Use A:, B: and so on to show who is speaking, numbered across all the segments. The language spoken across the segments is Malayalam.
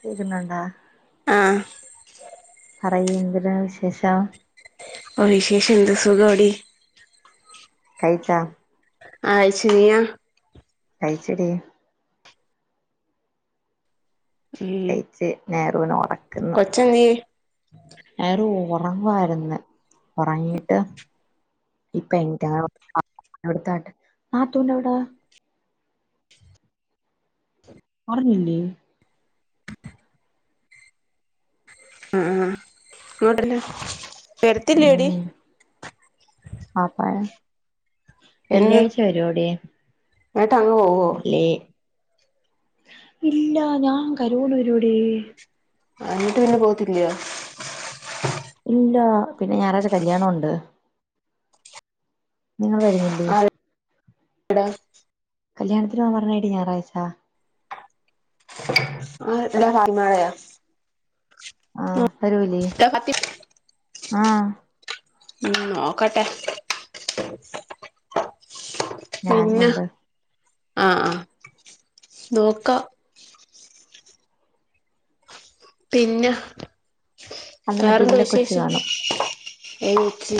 A: കേക്കുന്നുണ്ടാ
B: ആ
A: പറയ് എന്ത് എന്താ വിശേഷം
B: വിശേഷം എന്താ സുഖോടി
A: കൈയ്ച്ചോ
B: ആ കയ്ച്ച് നിയാ
A: കഴിച്ചടി
B: ഉം
A: കഴിച്ച് നേരൂന ഉറക്കുന്നു
B: കൊച്ചെന്തിയെ
A: നേറു ഉറങ്ങാരിന്ന് ഉറങ്ങീട്ട് ഇപ്പ എനിറ്റ് എടുത്താട്ട് നാത്തൂൻ വിട പറഞ്ഞില്ലേ
B: ആ അങ്ങോട്ടല്ലേ വെരത്തില്ല എടി
A: ഉം പാപ്പായ വെള്ളിയാഴ്ച വരോടി
B: എന്നിട്ട് അങ്ങ് പോവോ
A: അല്ലേ ഇല്ല ഞാൻ കരോണൂരോടെ
B: എന്നിട്ട് പിന്നെ പോവത്തില്ലയോ
A: ഇല്ല പിന്നെ ഞായറാഴ്ച കല്യാണ ഉണ്ട് നിങ്ങൾ വരുന്നില്ലേ
B: അട
A: കല്യാണത്തിന് പോവാൻ പറഞ്ഞായി ടി ഞായറാഴ്ചാ
B: ആ എന്താ ഫാൽമാളയാ
A: ആ വരു വില്ലേ ആ
B: ഉം നോക്കട്ടെ
A: ഞാൻ ഉണ്ട്
B: അഹ് ആഹ് നോക്കാം പിന്നെ
A: അന്ന് മറ്റേ
B: വേറെന്താ
A: ഇല്ല കൊച്ച്
B: വിശേഷം
A: കാണും
B: ഏത് കൊച്ച്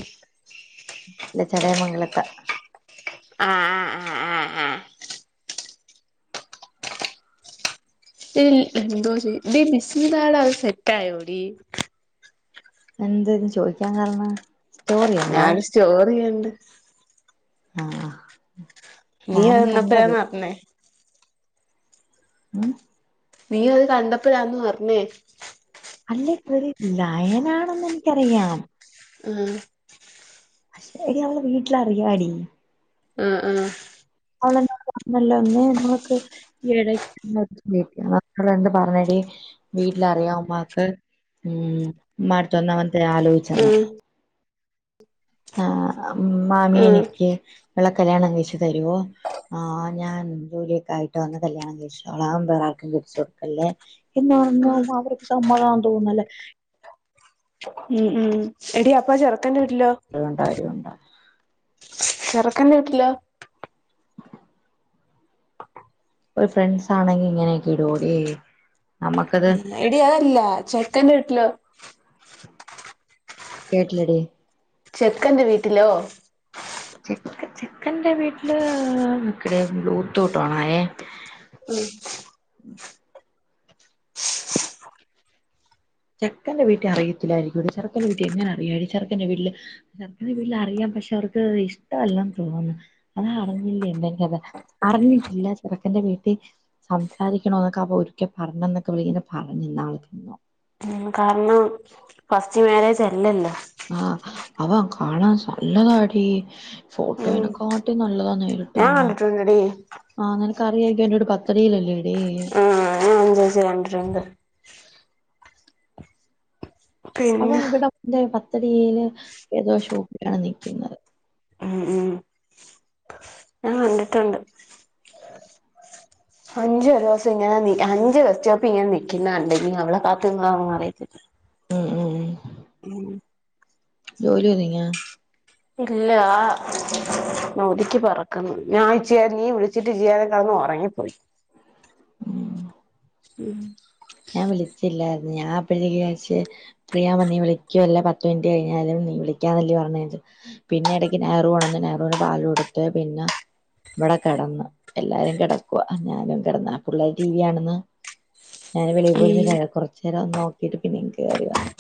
A: ഇല്ല ചടേമംഗലത്ത്
B: ആഹ് ആഹ് ആഹ് ആഹ് ആഹ് എന്തോ ചെയ ഇ ബിസ്മിതാടാത് [unintelligible] സെറ്റായോടി
A: എന്താതി ചോയ്ക്കാൻ കാര്ണം
B: ഞാൻ സ്റ്റോറിയ [inaudible]
A: ആ ആ
B: നീ വന്നപ്പോഴാണ് അറിഞ്ഞേ
A: ഉം
B: നീ അത് കണ്ടപ്പോഴാന്നോ അറിഞ്ഞേ
A: അല്ലേ വറി ലയനാണെന്ന് എനിക്കറിയാം
B: ആ
A: പക്ഷെ എടി അവൾടെ വീട്ടിൽ അറിയാംടി
B: ആ ആ
A: അവൾ പറഞ്ഞല്ലെ നമ്മക്ക് ഇടക്ക് നമ്മ പറഞ്ഞടി വീട്ടിലറിയാം ഉമാക്ക് ഉം മാത്ത വന്ന അവൻ [unintelligible] ആലോചിച്ചെന്ന്
B: ആഹ്
A: ആ ഉ മാമിയ
B: ആഹ്
A: എനിക്ക് അവളെ കല്യാണം കഴിച്ചു തരുവോ ആ ഞാൻ ജോലിയൊക്കെ ആയിട്ട് വന്ന് കല്യാണം കഴിച്ചു ക്കോളാം. അവളെ വേറെ ആർക്കും കെട്ടിച്ചു കൊടുക്കല്ലേ എന്ന് പറഞ്ഞ അവർക്ക് സമ്മതം തോന്നുന്നല്ല
B: ഉം ഉം എടി അപ്പ ചറ
A: ഉണ്ടായി ഉണ്ടായി
B: ചെറുക്കൻ്റെ വീട്ടില്ലോ
A: ഒരു ഫ്രണ്ട്സ് ആണെങ്കിൽ ഇങ്ങനെയൊക്കെ ഇടോടി
B: എടി അതല്ല ചെക്കൻ ലോ
A: കേട്ടില്ലടീ
B: ചെക്കന്റെ വീട്ടിലോ
A: ചെക് ചെക്കന്റെ വീട്ടില് നിക്കടെ ബ്ലൂടൂത്ത് ഓണായെ ചെക്കന്റെ വീട്ടിൽ അറിയത്തില്ലായിരിക്കുമെടീ ചെറുക്കന്റെ വീട്ടിൽ എങ്ങനെ അറിയാനാടി ചെറുക്കന്റെ വീട്ടില് ചെറുക്കന്റെ വീട്ടിൽ അറിയാം പക്ഷെ അവർക്ക് ഇഷ്ടമല്ലന്ന് തോന്നുന്നു അത അറിഞ്ഞില്ലേ എന്തെകഥ അറിഞ്ഞിട്ടില്ല ചെറുക്കന്റെ വീട്ടിൽ സംസാരിക്കണോ എന്നൊക്കെ അവൻ ഒരിക്ക പറഞ്ഞന്നൊക്കെ അവൾ പറഞ്ഞ് ഇന്നാള്
B: കാരണം ഫസ്റ്റ് മാരേജ് അല്ലല്ലോ
A: ആ അവൻ കാണാൻ നല്ലതാടി
B: ഉം
A: ഫോട്ടോയിനെ കാട്ടി നല്ലതാ നേരിട്ട്
B: ഞാൻ
A: കാണാൻ
B: കണ്ടിട്ടുണ്ടടി
A: ആഹ് നിനക്കറിയായിരിക്കും അവന്റെ വീട് ബത്തടിയിലല്ലേടി
B: ആ ഞാൻ അതിന് ശേഷം കണ്ടിട്ടുണ്ട്
A: അവൻ
B: പിന്നെ
A: ഇവിടെ ദേ പത്ത് ഡിയില് ഏതോ ഷോപ്പിലാണ് നിക്കുന്നത്
B: ഉം ഉം ഞാൻ കണ്ടിട്ടുണ്ട് അഞ്ചു ഒരു ദിവസം ഇങ്ങനെ നി അഞ്ചു ബസ്റ്റോപ്പിൽ ഇങ്ങനെ നിക്കുന്ന കണ്ട് ഇനി അവളെ കാത്ത് നിന്നതാണോന്ന് അറിയത്തില്ല
A: ഉം ഉം ഉം
B: [unintelligible]
A: ജോലി ഒന്നൂല്ലാ
B: ഇല്ല ആ ഒതുക്കി പറക്കണ് ഞാൻ ഇച്ചിരി നേരം നീ വിളിച്ചിട്ട് ചെയ്യാന്ന് കിടന്ന് ഉറങ്ങിപ്പോയി
A: ഉം
B: ഉം
A: ഞാൻ വിളിച്ചില്ലായിരുന്നു ഞാൻ അപ്പഴത്തേക്ക് വിചാരിച്ച് ഫ്രീയാവബം നീ വിളിക്കുവല്ലോ പത്ത് മിനിറ്റ് കഴിഞ്ഞാല് നീ വിളിക്കാന്നല്ലേ പറഞ്ഞേന്ന് പിന്നെ ഇടക്ക് നയറു ഉണർന്നു നയറൂന് പാല് കൊടുത്ത് പിന്ന ഇവിടെ കിടന്ന് എല്ലാരും കിടക്കുവ ഞാനും കിടന്ന് പിള്ളേര് ടീ വി കാണിന്ന് ഞാൻ വെളി
B: ഉം
A: പോയിരുന്നിറ്റായാ കുറച്ച് ചെന്ന് നോക്കിട്ട് പിന്നേം കേറി വന്ന്.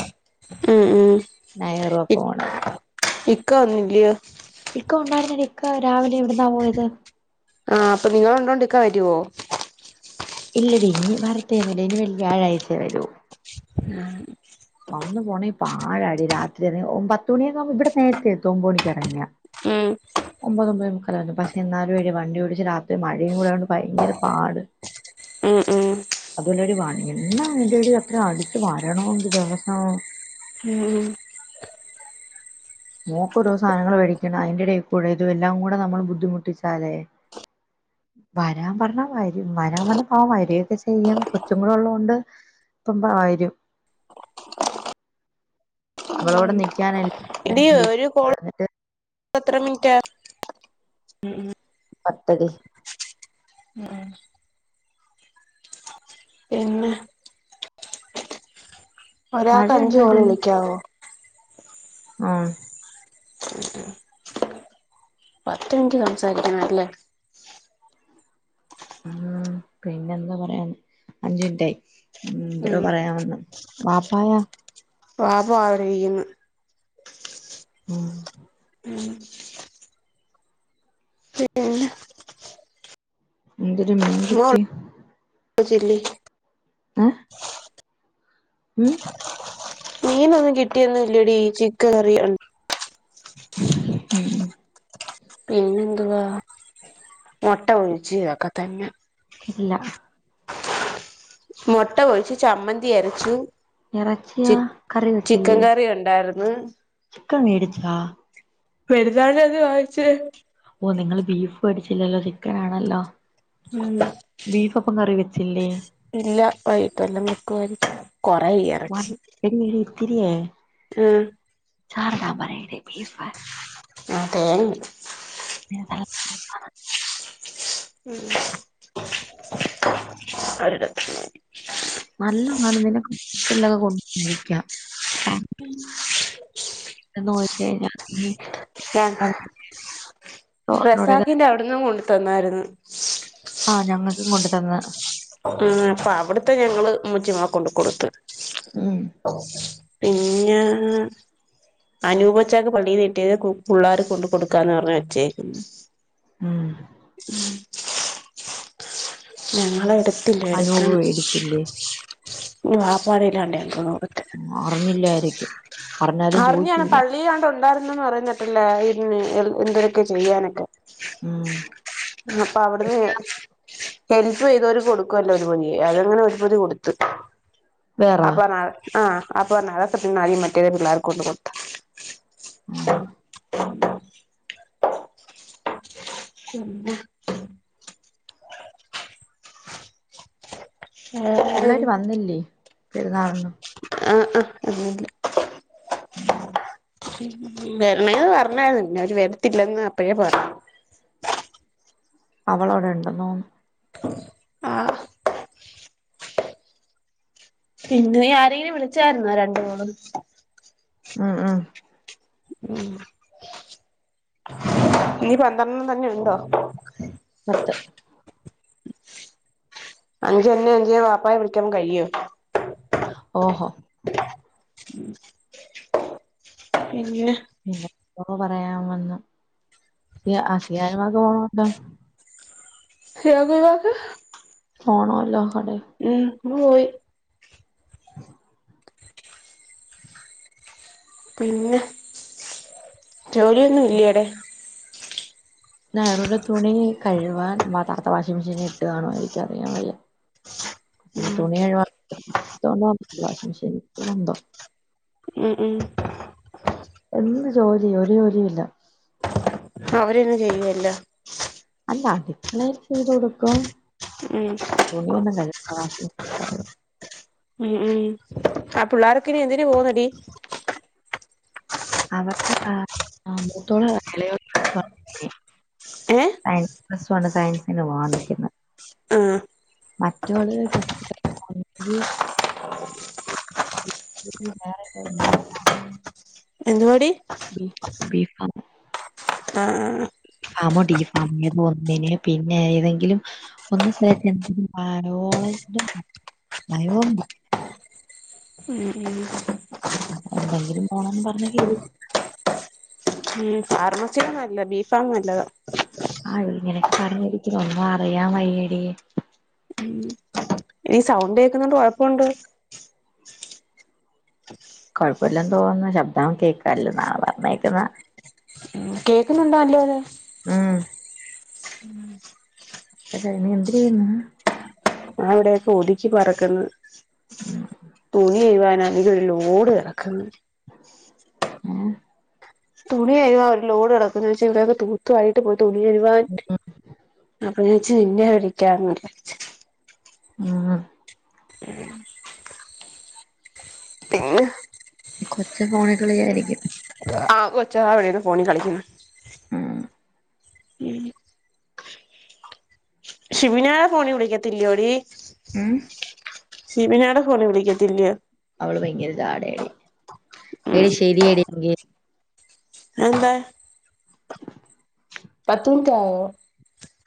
B: ഉം ഉം ഇക്
A: പോണന്ന്
B: ഇക് ക്ക വന്നില്ലിയോ?
A: ഇക്ക ഉണ്ടായിരുന്നടീ ഇക്ക രാവിലെ ഇവിടന്നാ പോയത്.
B: ആ അപ്പൊ നിങ്ങൾ ഉണ്ടോണ്ടി ക്കാ വരുവോ?
A: ഇല്ലടി ഇനി വരത്തേന്നുല്ല ഇനി വെൾ വ്യാഴാഴ്ചേ വരൂ
B: ഉം
A: വന്ന് പോണെ പാഴാടി. രാത്രി വരെ ഓൻ പത്തു മണിക്കെആവുമ്പോ ഇവിടെ നേരത്തെ എത്തും ഒമ്പണിക്ക് ഇറങ്ങിയാ
B: ഉം
A: ഒമ്പതൊമ്പതെ മുക്കാൽ പക്ഷെ എന്നാലു എടി വണ്ടി ഓടിച്ച് രാത്രി മഴയും കൂടാ യോണ്ട് ഭയങ്കര പാട്.
B: ഉം ഉം
A: അല്ലടി വാണിയന്നെ വേണ്ടടി അത്ര അടിച്ചു വരണോങ്കില്
B: ഉം
A: [unintelligible] മോക്ക് ഓരോ സാധനങ്ങൾ വേടിക്കണം. അതിന്റെ ഇടയിൽ കൂടെ ഇതും എല്ലാം കൂടെ നമ്മൾ ബുദ്ധിമുട്ടിച്ചാലേ വരാൻ പറഞ്ഞാൽ വരും വരാൻ പറഞ്ഞപ്പൊ അവൻ വര്ഒക്കെ ചെയ്യും. കൊച്ചുങ്ങള് ഉള്ളോണ്ട് ഇപ്പംവരും. ഇവളോട് നിക്കാന
B: എടി ഒരു കോൾ
A: [unintelligible]
B: എത്ര മിൻറ്റാ
A: പത്തടി
B: ഉം ഉം പിന്നെ ഒരാക്ക് അഞ്ച് കോള്
A: മഴയുണ്ടാടി
B: വിളിക്കാവോ?
A: ആഹ്
B: പത്ത് മിനിറ്റ് സംസാരിക്കണല്ലേ?
A: ഉം പിന്നെന്ത്‌ പറയാൻ അഞ്ചുമിൻറ്റായി ഉം എന്തരോ പറയാൻ വന്ന് ബാപ്പായാ?
B: പാപ്പ അവടെയ്യുന്നു
A: ഉം
B: ഉം
A: എന്ത്ര് മീൻ കിട്ടി
B: ന്നാ ചെല്ല്
A: ഏ ഉം
B: മീന് ഒന്നും കിട്ടിയൊന്നും ഇല്ലടി ചിക്കൻ കറിയാണ്
A: ഉം
B: പിന്നെന്തുവാ മുട്ട ഒഴിച്ചി അതൊക്കെ തന്നെ
A: ഇല്ല
B: മുട്ട ഒഴിച്ചു ചമ്മന്തി അരച്ചു
A: ഇറച്ചിയാ
B: ചി
A: കറി
B: ചിക്കൻ കറി ഉണ്ടായിര്ന്ന്
A: ക്കംമേടിച്ചാ
B: പെരുന്നാളിന്റന്ന് വേടിച്ച്
A: ഓ നിങ്ങള് ബീഫ് വേടിച്ചില്ലല്ലോ ചിക്കൻ ആണല്ലോ
B: ഉം
A: ബീഫ് അപ്പം കറി വെ തെല്ലേ
B: ഇല്ല വൈഗീട്ട് വല്ലോം വെക്കുവായിരിക്കും കുറെ ഇറച്ചി
A: ത്തിരിയേ
B: ആഹ്
A: ചാറ്ടാൻ പറയെടി ബീഫ്
B: അ തേന് ണ്ട്
A: [unintelligible]
B: ഉം അരി ലക്ഷ്മി
A: നല്ല കാണുന്നെതിനെ കൊറച്ചെല്ലതും കൊണ്ടരിക്ക
B: ഉം
A: ചോദിച്ച് കഴിഞ്ഞാൽ നീ
B: അ
A: ചോറിനോടൊക്കെ
B: റസാഖിന്റെ അവിടുന്നും കൊണ്ട് തന്നായിരുന്നു
A: ആഹ് ഞങ്ങക് ഇങ്ങോണ്ട തന്ന
B: കൊണ്ടു കൊടുത്ത്
A: ഉം
B: ഓ പിന്നെ അനൂപച്ചക്ക് പള്ളിന്ന്കിട്ടിയത് പു പിള്ളാര്ക് കൊണ്ട് കൊടുക്കാന്ന് പറഞ്ഞ് വെച്ചേക്കുന്നു
A: ഉം
B: ഞങ്ങള എടു
A: അനൂപ്
B: പില്ലേടക്കം
A: മേടിച്ചില്ലേ
B: [unintelligible]
A: അറിഞ്ഞില്ലായിരിക്കും അറിഞ്ഞാലും
B: അറിഞ്ഞ് കാണും
A: ചോദിക്കൂല
B: പള്ളിലാണ്ട് ണ്ടായിരു ല്ലന്ന് പറഞ്ഞിട്ടില്ലാ ഇന്നേ എന്തരൊക്കെ ചെയ്യാനൊക്കെ
A: ഉം
B: ആ അപ്പവിടുന്ന് ഹെല്പ് ചെയ്തവര് കൊടുക്കുവല്ലോ ഒരു പൊതി അതങ്ങനെ ഒരു പൊതി കൊടുത്ത്.
A: വേറാ
B: അപ്പ നാളെ ആ അപ്പോ നാളെക്കിട്ടണതീന്ന് മറ്റേത് പിള്ളേർക്ക് കൊണ്ട്കൊടുത്താ
A: ഉം
B: പിന്ന
A: പുള്ളര്
B: വേറെന്തേനി
A: വന്നില്ലേ പെരുന്നാളിനും
B: ആ ങാ വന്നില്ല വരണേന്ന് പറഞ്ഞായിരുന്നു പിന്നെ അവര് വരത്തില്ലെന്നപ്പഴേ പറഞ്ഞു.
A: അവളവിടെണ്ടന്ന് തോന്നുന്നു.
B: ആ പിന്നെ ആരെങ്കിലും വിളിച്ചായിരുന്നോ രണ്ടു കോള്
A: ഉം ഉം
B: ഉം നീ പന്ത്രണ്ണം തന്നെണ്ടോ
A: പത്ത്
B: അഞ്ച് തന്നെ അഞ്ച് വാപ്പായെ വിളിക്ക കഴിയോ?
A: ഓഹൊ
B: പിന്നെ
A: പിന്നെ എന്തോന്ന് പറയാൻ വന്ന് സിയ ആ സിയാൻമാക് കൊറവുണ്ടോ
B: ശിഹാബ്കാക്ക്‌
A: പോണോലൊ അതെ.
B: മ്മപോയി പിന്നെ ജോലിയൊന്നും ഇല്ലേടെ
A: നാറുടെ തുണി കഴ് വാൻ മതാർത വാഷി വാഷിംമെഷീൻ ഇട്ടുകാണോ എനിക്കറിയാൻ വയ്യ പിന്നെ തുണി കഴുകാ [unintelligible] വാഷിംഗ് മെഷീന് ന്തോ
B: ഉം ഉം
A: എന്ത് ജോലി ഒരു ജോലിയില്ല
B: അവരന്നെ ചെയ്യോ എല്ലാം
A: അല്ല അടുക്കളേല് ചെയ്ത് കൊടുക്കും
B: ഉം
A: തുണിയൊന്നും കഴുകണ്ട വാഷിംഗ് മെഷീനിൽ
B: ഉം ഉം ആ പുള്ളേരക്കെ ഇനി എന്തിന് പോകുന്നടി
A: [unintelligible] ആ മൂത്തോള് എളയോള് [unintelligible]
B: ഏ
A: പ്ലസ് വണ്ണ് സയൻസിന് പോവാൻ നിക്ക്ന്ന്
B: ആ
A: മറ്റോള് [unintelligible]
B: എന്തുവാടി
A: ബീഫ
B: ആ ആ
A: ഫാമോട്ടി ഈ ഫാമ ഏതോ ഒന്നിന് പിന്നെ ഏതെങ്കിലും ഒന്ന് സ്ഥലത്ത് എന്തെങ്കിലും ഭയ
B: ഉം ഉം
A: എന്തെങ്കിലും പോണംന്ന് പറഞ്ഞ കേ
B: ആർമസിയ നല്ല ബീഫാ നല്ലത്
A: ആ ഇങ്ങനെയൊക്കെ പറഞ്ഞിരിക്കുന്നു ഒന്നും അറിയാൻ വയ്യേടി
B: ഇനി സൗണ്ട് കേക്കുന്നണ്ട് കൊഴപ്പൊണ്ടൊ
A: കൊഴപ്പല്ലന്ന്തോന്നുന്ന ശബ്ദം കേക്കാല്ലോ നാ പറന്നേക്കുന്ന
B: ഉ കേക്കുന്നുണ്ടൊ അന്റേത്
A: [unintelligible] നീ എന്തെരെയ്യ്ന്ന്
B: ഞാൻ ഇവിടെയൊക്കെ ഒതുക്കി പറക്ക്ന്ന് തൂ [unintelligible] ചെയ്യുവാന എനിക്ക് ഒരു ലോഡ് കെടക്ക്‌ന്ന്
A: ആ
B: തുണികഴ്കാൻ ഒരു ലോഡ് കെടക്കുന്നു [unintelligible] ഇവിടെക്കെ തൂത്തുവാരിയിട്ട് പോ തുണികഴുവാൻ അപ്പം ഞാൻ ച് വിന്നെ വിളിക്കാന്ന് വിചാരിച്
A: ആ
B: പിന്നെ
A: കൊച്ച് ഫോണിക്കളി ആയിരിക്കും
B: ആ കൊച്ച് ദാ ഇവിടെരു ഫോണി കളിക്ക്ന്ന്
A: ഉം.
B: ഷിബിനാഎ ഫോണി വിളിക്കത്തില്ലിയോടി
A: ഉം.
B: ഷിബിനാടെ ഫോണി വിളിക്കത്തില്ലിയോ
A: ഓൾ ഭയങ്കര ജാടേടി എടി ശെരി എടി ങ്കി
B: അഹ് എന്താ പത്ത് മിനിറ്റ് ആയോ?